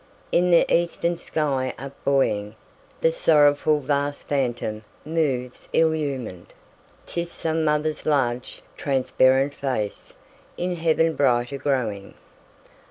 7In the eastern sky up buoying, The sorrowful vast phantom moves illumin'd;('Tis some mother's large, transparent face, In heaven brighter growing.)